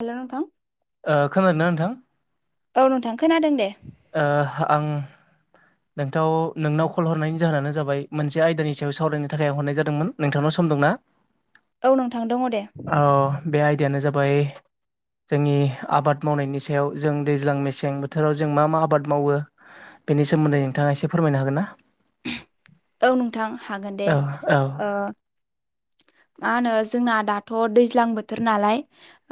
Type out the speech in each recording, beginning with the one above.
Hello नोंथां ओ खोनादोंना नोंथां औ नोंथां खोनादों दे। ओ आं नोंथां नोंनाव कल हरनायनि जाहोनानो जाबाय मोनसे आयदानि सायाव सावरायनो थाखाय आं हरनाय जादोंमोन नोंथांनाव। सम दंना? औ नोंथां दङ दे। औ बे जाबाय जोंनि आबाद मावनायनि सायाव जों दैज्लां मसें बोथोराव ज जों माब मावो बेनि सोमोन्दै नोंथाङा एसे फोरमायनो हागोन ना। औ नोंथां हागोन दे। औ औ मा होनो जोंना दाथ' दैज्लां बोथोर नालाय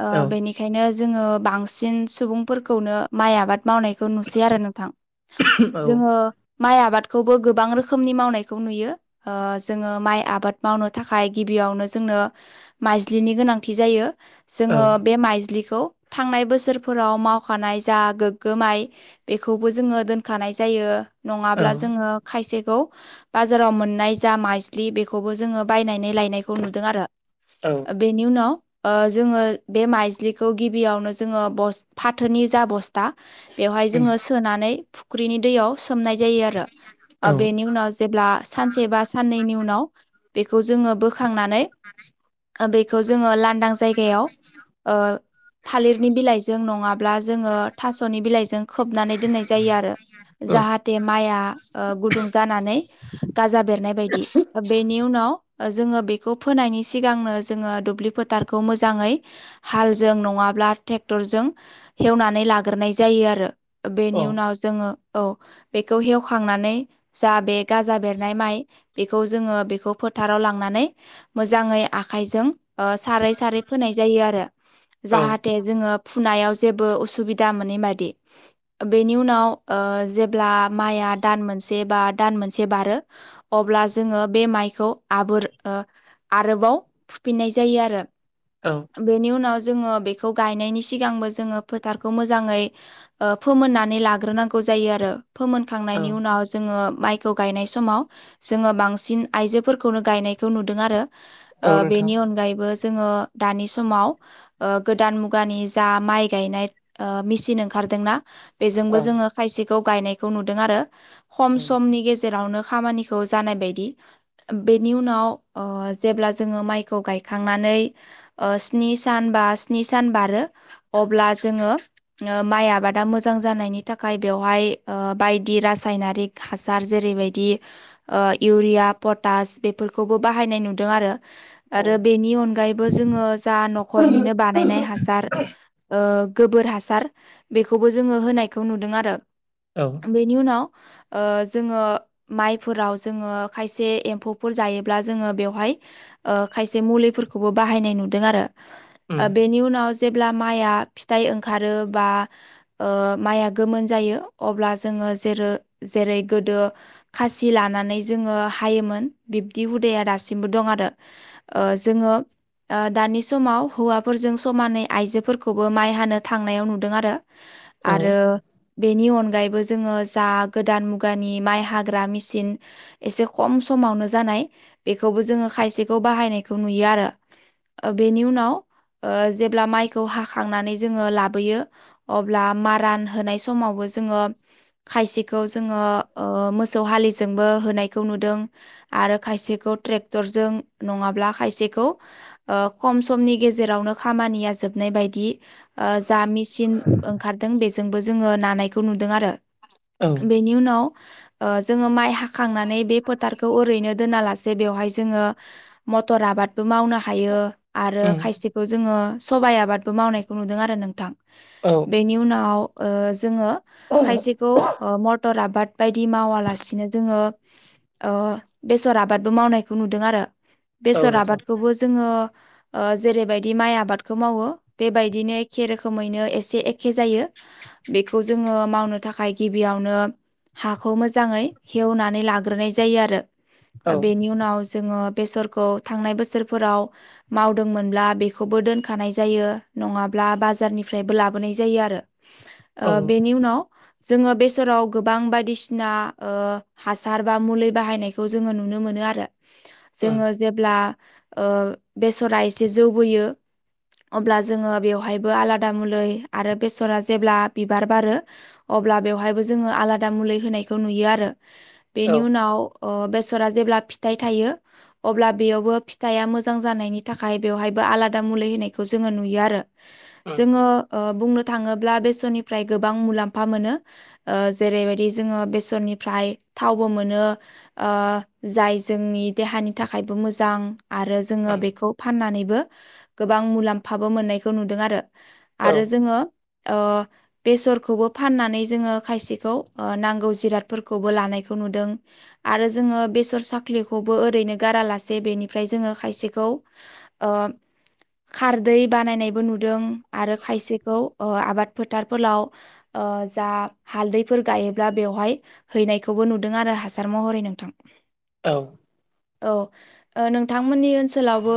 ओ औ बेनिखायनो जोङो बांसिन सुबुंफोरखौनो माइ आबाद मावनायखौ नुसै आरो नोंथां जोङो माइ आबादखौबो गोबां रोखोमनि मावनायखौ नुयो जोङो माइ आबाद मावनो। थाखाय गिबियावनो जोंनो माइज्लिनि गोनांथि जायो औ जोङो बे माइज्लि खौ थांनाय बोसोरफोराव मावखानाय जा गोग्गो माय बेखौबो जोङो दोनखानाय जायो। जायो। नङाब्ला जोङो खायसेखौ बाजाराव मोननाय जा मायज्लि बेखौबो जोङो बायना नै लायनायखौ नुदों आरो औ बेनि उनाव जोङो बे माइज्लिखौ गिबियावनो जोङो बस फाथोनि जा बस्था बेवहाय उम जोङो सोनानै फुख्रिनि दैयाव सोमनाय जायो औ आरो बेनि उनाव जेब्ला सानसे बा साननैनि उनाव बेखौ जोङो बो खांनानै बेखौ जोङो लांदां जायगायाव ओ थालिरनि बिलाइजों नङाब्ला जोङो थास'नि बिलाइजों खोबनानै दोननाय जायो आरो। औ जाहाथे माइआ गुदुं जानानै गाजा बेरनाय बायदि बेनि उनाव जोङो बेखौ फोनायनि सिगांनो जोङो दुब्लि फोथारखौ मोजाङै हाल जों नङाब्ला ट्रेक्टरजों हेवनानै लाग्रोनाय जायो आरो बेनि उनाव जोङो औ बेखौ हेवखांनानै जा बे गाजा बेरनाय माइ बेखौ जोङो बे खौ फोथाराव लांनानै मोजाङै आखायजों सारै सारै फोनाय जायो आरो औ जाहाथे जोङो फुनायाव जेबो असुबिदा मोनै बायदि बेनि उनाव जेब्ला माइआ दान मोनसे बा दान मोनसे बारो अब्ला जोङो बे माइ खौ आबोर आरोबाव फुफिननाय जायो आरो। औ बेनि उनाव जोङो बेखौ गायनायनि सिगांबो जोङो फोथारखौ मोजाङै फोमोननानै लाग्रोनांगौ। जायो आरो फोमोनखांनायनि उनाव जोङो माइखौ गायनाय समाव जोङो बांसिन आइजोफोरखौनो गायनायखौ नुदों आरो औ नोंथां बेनि अनगायैबो जोङो दानि समाव गोदान मुगानि जा माइ गायनाय मिसिन ओंखार खारदोंना बेजोंबो औ जोङो खायसेखौ गायनायखौ नुदों आरो खम उम समनि गेजेरावनो खामानिखौ जानाय बायदि बेनि उनाव जेब्ला जोङो माइखौ गायखांनानै स्नि सान बा स्नि सान बारो अब्ला जोंङो माइ आबादा मोजां जानायनि थाखाय बे बेवहाय बायदि रासायनारिक हासार जेरैबायदि इउरिया पटास बेफोरखौबो बाहायनाय नुदों आरो औ आरो बेनि अनगायैबो जोङो जा न'खरनिनो बानायनाय हासार ओ गोबोर हासार बेखौबो जोङो होनायखौ नुदों आरो। बेनि उनाव जोङो माइफोराव जोङो खायसे खायसे एम्फौफोर जायोब्ला जोङो बेवहाय खायसे मुलिफोरखौबो बाहायनाय नुदों आरो। उम ओ बेनि उनाव जेब्ला माइआ फिथाइ ओंखारो बा माइआ गोमोन जायो अब्ला जोङो जेरै गोदो खासि लानानै जोङो हायोमोन बिब्दि हुदाया दासिमबो दं आरो जोंङो दानि समाव हौवाफोरजों समानै आइजोफोरखौबो माइ हानो थांनायाव नुदों आरो औ आरो बेनि अन अनगायैबो जोंङो जा गोदान मुगानि माइ हाग्रा मेसिन एसे खम समावनो जानाय बेखौबो जोंङो खायसेखौ बाहायनायखौ नुयो आरो बेनिउ उनाव जेब्ला माइखौ हाखांनानै जोंङो लाबोयो अब्ला मारान होनाय समावबो जोंङो खायसेखौ जोंङो ओ मोसौ हालिजोंबो होनाय नुदों आरो खायसेखौ तेगथरजों नंङाब्ला खायसेखौ खम समनि गेजेराव जोबनाय बायदि खामानिया ओ जा मेसिन मेसिन ओंखारदों बेजोंबो जोंङो नानायखौ नुदों आरो औ बेनि उनाव जोंङो माइ हाखांनानै बे फोथारखौ ओरैनो दोना लासे बेवहाय जोंङो मटर आबादबो मावनो हायो आरो आरो उम खायसेखौ जोंङो सबाइ आबादबो मावनायखौ नुदों आरो नोंथां औ बेनि उनाव जोंङो औ खायसेखौ मटर आबाद बायदि मावालासिनो जोंङो अ बेसर आबादबो मावनायखौ नुदों आरो बेसर नोंथां आबादखौबो जोंङो जेरैबायदि माइ आबादखौ मावो बेबायदिनो एखे रोखोमैनो एसे एखे जायो। बेखौ जोंङो मावनो थाखाय गिबियावनो हाखौ मोजांङै हेवनानै लाग्रोनाय जायो आरो औ बेनि उनाव जो जोंङो बेसरखौ थांनाय बोसोरफोराव मावदोंमोनब्ला बेखौबो दोनखानाय जायो। नङाब्ला बाजारनिफ्रायबो लाबोनाय जायो आरो ओ उम बेनि उनाव जोंङो बेसोराव गोबां बायदिसिना ओ हासार हासारबा मुलि बाहायनायखौ जोंङो मोनो आरो जोंङो जेब्ला ओ बे बेसरा एसे जौबोयो अब्ला जोंङो बेवहायबो आलादा मलै आरो बेसरा जेब्ला बिबार बारो अब्ला बेवहायबो जोंङो आलादा मुलि होनायखौ नुयो आरो औ बेनि उनाव बेसरा जेब्ला फिथाइ थायो अब्ला बेयावबो फिथाइआ मोजां जानायनि थाखाय बेवहायबो आलादा मुलि होनायखौ जोंङो नुयो आरो उम जोंङो बुंनो थांङोब्ला बेसरनिफ्राय गोबां मुलाम्फा मोनो जेरैबायदि जोंङो बेसरनिफ्राय थावबो मोनो जाय जोंनि देहानि थाखायबो मोजां आरो जोंङो उम बेखौ फाननानैबो गोबां मुलाम्फाबो मोननायखौ नुदों आरो औ आरो जोंङो बेसरखौबो फाननानै जोंङो खायसेखौ नांगौ जिरादफोरखौबो लानायखौ खौ नुदों आरो जोंङो बेसर साख्रिखौबो ओरैनो गारालासे बेनिफ्राय जोंङो खायसेखौ खारदै बानायनायबो नुदों आरो खायसेखौ आबाद फोथारफोराव जा हालदैफोर गायोब्ला बेवहाय हैनायखौ खौखौबो नुदों आरो हासार महरै नोंथां औ औ ओ नोंथांमोननि ओनसोलावबो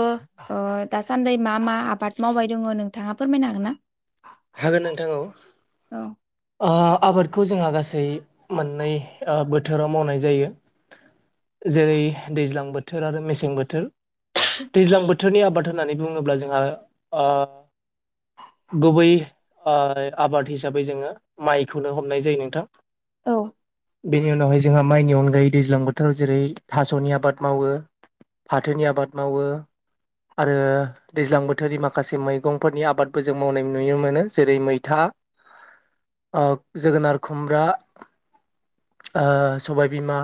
ओ दासान्दि मा मा आबाद मावबाय दङ' नोंथाङा फोरमायनो हागोन ना? हागोन नोंथां औ। औ। ओ आबादखौ जोंहा गासै मोननै बोथोराव मावनाय जायो। जेरै दैज्लां बोथोर आरो मेसें बोथोर दैज्लां बोथो बोथोरनि आबाद होननानै बुङोब्ला जोंहा ओ गुबै ओ आबाद हिसाबै जोङो माइखौनो हमनाय जायो नोंथां। औ। बेनि उनावहाय जोंहा माइनि अनगायै दैज्लां बोथोराव जेरै थास'नि आबाद मावो फाथोनि आबाद मावो आरो दैज्लां बोथोरनि माखासे मैगंफोरनि आबादबो जों मावनाय नुयो मोनो जेरै मैथा ओ जोगोनार खुमब्रा ओ सबायबिमा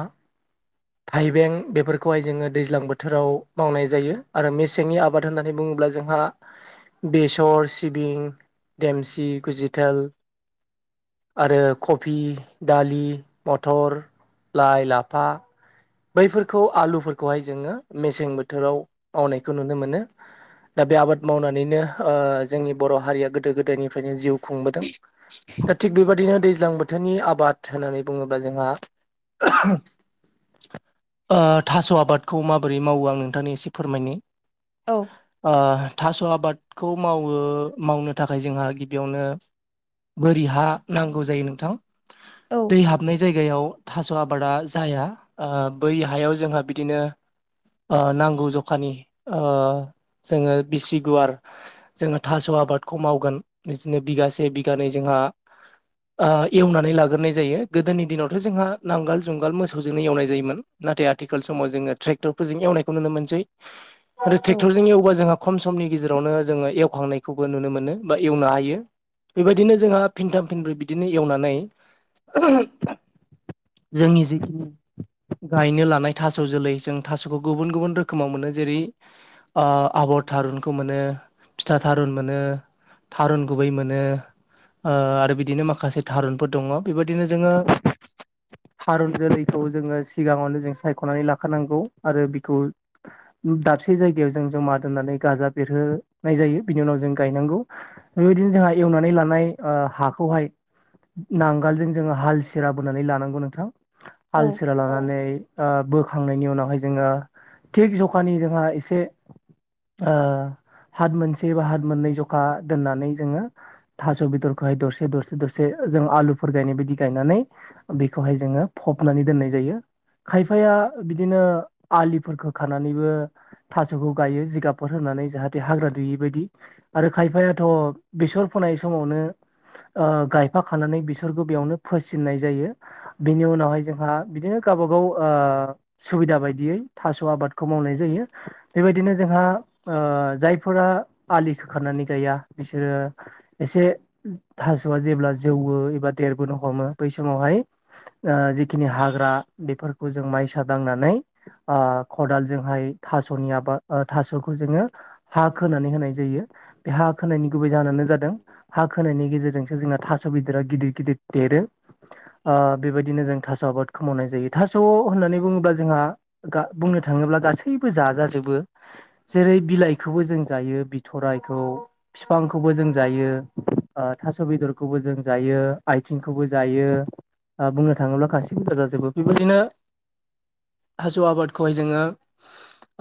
थाइबें बेफोरखौहाय जोङो दैज्लां बोथोराव मावनाय जायो आरो मेसेंनि आबाद होननानै बुङोब्ला अब्ला जोंहा बेसर सिबिं देमसि गुजिथाल आरो कबि दालि मथर लाइ लाफा [inaudible] बैफोरखौ आलुफोरखौहाय जोङो मेसें बोथोराव मावनायखौ नुनो मोनो। दा बे आबाद मावनानैनो ओ जोंनि बर' हारिया गोदो गोदायनिफ्रायनो जिउ खुंबोदों दा थिग बेबायदिनो दैज्लां बोथोरनि आबाद होननानै बुङोब्ला जोंहा ओ थास' आबादखौ माबोरै मावो आं नोंथांनि एसे फोरमायनो औ ओ थास' आबादखौ मावो मावनो थाखाय जोंहा गिबियावनो बोरि हा नांगौ जायो नोंथां। औ दै हाबनाय जायगायाव थास' आबादा जाया ओ बै हायाव जोंहा बिदिनो ओ नांगौ जखानि ओ जोङो बिसि गुवार जोङो थास' आबादखौ मावगोन बिदिनो बिगासे बिगानै जोंहा जोंहा ओ एवनानै लाग्रोनाय जायों गोदोनि दिनावथ' जों नांग जुंगाल मोसौ जोंङो एवनाय जायोमोन नाथाय आथिखाल समाव जोङो ट्रेक्टर फोरजों एवनायखौ नुनो मोनसै आरो औ ट्रेक्टरजों एवबा जोंहा खम समनि गेजेरावनो जोङो एवखांनायखौबो नुनो मोनो बा एवनो हायो। बेबायदिनो जोंहा फिनथाम फिनब्रै बिदिनो एवनानै जोंनि जिखि [inaudible] गायनो लानाय थास' जोलै जों थास'खौ गुबुन गुबुन रोखोमाव मोनो जेरै ओ आबरथा थारुनखौ मोनो फिथा थारुन मोनो थारुन गुबै मोनो ओ आरो बिदिनो माखासे थारुनफोर दङ बेबायदिनो जोङो थारुन जोलै खौ जोङो सिगाङावनो जों सायख'नानै लाखानांगौ आरो बिखौ दाबसे जायगायाव जों जमा दोननानै गाजा बेरहोनाय जायो बिनि उनाव जों गायनांगौ बेबायदिनो जोंहा एवनानै लानाय ओ हाखौहाय नांगोलजों जोङो हाल सिरा बोनानै लानांगौ नोंथां। औ आलसिरा लानानै ओ बोखांनायनि उनावहाय जोङो थिक जखानि जोंहा एसे ओ हाथ मोनसे बा हाथ मोननै जखा दोननानै जोङो थास' बेदरखौहाय दरसे दरसे दरसे जों आलुफोर गायनाय बायदि गायनानै बेखौहाय जोङो फबनानै दोननाय जायो। खायफाया बिदिनो आलिफोरफोरखौ खानानैबो थास'खौ गायो जिगाबफोर होनानै नानै जाहाथे हाग्रा दुयै बायदि आरो खायफायाथ' बेसर फोनाय समावनो ओ गायफाखानानै बिसोरखौ बेयावनो फोसिननाय जायो बिनि उनावहाय जोंहा बिदिनो गाव बा गाव ओ सुबिदा बायदियै थास' आबादखौ मावनाय जायो बे बायदिनो जोंहा ओ जायफोरा आलि खोखानानै गाया बिसोरो एसे से ओ थास'आ जेब्ला जौयो एबा देरबोनो हमो बै समावहाय ओ जि खिनि हाग्रा बेफोरखौ जों माइसा दांनानै ओ खदालजोंहाय थास'नि आबा ओ थास'खौ जोङो हा खोनानै होनाय जायो। बे हा खोनायनि गुबै जाहोनानो जादों हा खोनायनि गेजेरजोंसो जोंना थास' बेदरा गिदिर गिदिर देर रो ओ बेबायदिनो जों थास' आबादखौ मावनाय जायो थास' होननानै बुङोब्ला जोंहा गा बुंनो थाङोब्ला गासैबो जाजाजोब बो जेरै बिलाइखौबो जों जायो बिथरायखौ फिफांखौबो जों जायो ओ थास' बेदरखौबो जों जायो आथिंखौबो जायो ओ बुंनो थाङोब्ला गासिबो जा जा जोबो बेबायदिनो [inaudible] थास' आबादखौहाय जोङो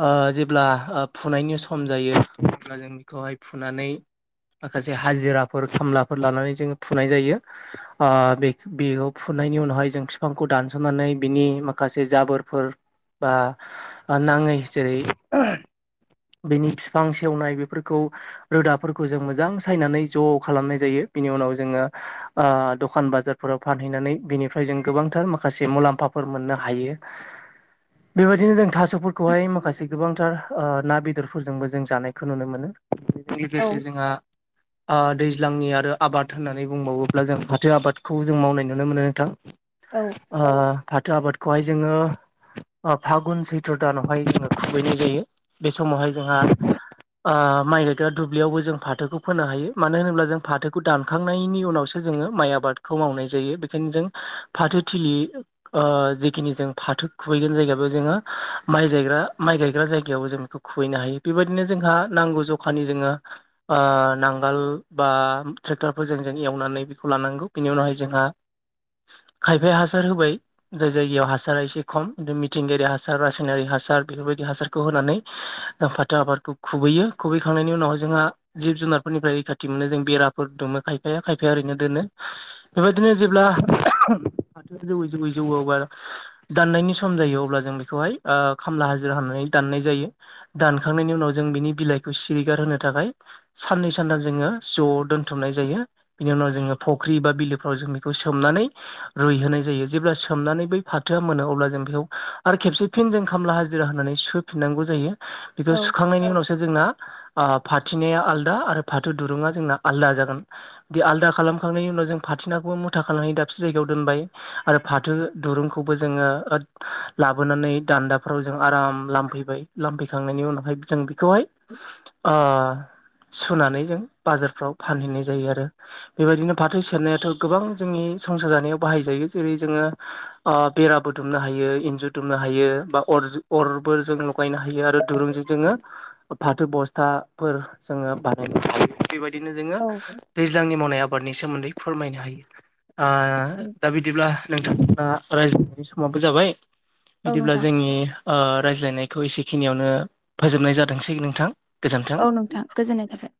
ओ जेब्ला ओ फुनायनि सम जायो अब्ला जों बिखौहाय फुनानै माखासे हाजिराफोर खामलाफोर लानानै जोङो फुनाय जायो ओ बेखौ बेखौ फु नायनि उनावहाय जों फिफांखौ दानस'नानै बिनि माखासे जाबोरफोर बा ओ नाङै जेरै बेनि फिफां सेवनाय बेफोरखौ रोदाफोरखौ जों मोजां सायनानै ज' खालामनाय जायो। बिनि उनाव जोङो ओ दखान बाजारफोराव फानहैनानै बिनि फ्राय जों गोबांथार माखासे मुलाम्फाफोर मोननो हायो बेबायदिनो जों थास स' फोरखौहाय माखासे गोबांथार ओ ना बेदरफोरजोंबो जों जानायखौ नुनो मोनो। बेजों औ लोगोसे जोंहा ओ दैज्लांनि आरो आबाद होननानै बुंबावोब्ला जों फाथो आबादखौ जों मावनाय नुनो मोनो नोंथां औ ओ फाथो आबादखौहाय जोङो ओ फागुन सैथ्र' दानावहाय जोङो खुबैनाय जायो बे समावहाय जोंहा ओ माइ गायग्रा दुब्लियावबो जों फाथोखौ फोनो हायो मानो होनोब्ला जों फाथोखौ दानखांनायनि उनावसो जोङो माइ आबादखौ मावनाय जायो बेखायनो जों फाथोथिलि ओ जिखिनि जों फाथो खुबैगोन जायगा बेव जोङो माइ जायग्रा आ माइ गायग्रा जायगायाव जों बेखौ खुबैनो हायो बेबायदिनो जोंहा नांगौ जखानि जोङो ओ नांगाल बा ट्रेक्टरफोरजों जों एवनानै बेखौ लानांगौ बेनि उनावहाय जोंहा [inaudible] खायफाया हासार होबाय जाय जायगायाव हासारा एसे खम मिथिंगायारि हासार रासायनारि हासार बेफोरबाय दि हासारखौ होनानै ओ फाथो आबादखौ खुबैयो खुबैखांनायनि उनावहाय जोंहा जिब जुनारफोरनिफ्राय रैखाथि मोनो जों बेराफोर दुमो खायफाया खायफाया ओरैनो दोनो बेबायदिनो जेब्ला [unintelligible] फाथो जौैयै जौैयै जौयोबा दाननायनि सम जायो अब्ला जों बेखौहाय ओ खामला हाजिरा होनानै दा दाननाय जायो दानखांनायनि उनाव जों बिनि बिलाइखौ सिरिगार होनो थाखाय साननै सानथाम जोङो ज' दोनथुमनाय जायो बिनि उनाव जोङो फख्रि बा बिलोफ्राव जों बेखौ सो सोमनानै रुइहोनाय जायो जेब्ला सोमनानै बै फाथोआ मोनो अब्ला जों बेखौ आरो खेबसे फिन जों खामला हाजिरा होनानै सुहोफिनांगौ जायो बेखौ औ सुखांनायनि उनावसो जोंना ओ फाथिनाया आलदा आरो फाथो दुरुङा जोंना आलदा जागोन बे आलदा खालामखांनायनि उन जों फाथिनाखौबो मु था खानानै दाबसे जायगायाव दोनबाय आरो फाथो दुरुंखौबो जोङो ओथ लाबोनानै दा दान्दाफ्राव जों आराम लामफैबाय लामफैखांनायनि उनावहाय जों बि खौहाय ओ सुनानै जों बाजारफ्राव फानहैनाय जायो आरो बेबायदिनो फाथो सेरनायाथ' गोबां जोंनि संसार जानायाव बाहाय जायो जेरै जोङो ओ बेराबो दुमनो हायो इन्जुर दुमनो हायो ओ बा अरजु अरबो जों लगायनो हायो आरो दुरुंजों जोङो ओ फाथो बस्थाफोर जोङो बानायनो हायो बेबायदिनो जोङो औ दैज्लांनि मावनाय आबादनि सोमोन्दै फोरमायनो हायो। दा बिदिब्ला नोंथांमोना रायज्लायनायनि समाबो जाबाय औ बिदिब्ला नोंथां जोंनि रायज्लायनायखौ एसेखिनियावनो फोजोबनाय जाथोंसै नोंथां गोजोन्थों। औ नोंथां गोजोननाय थाबाय